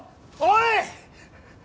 おい！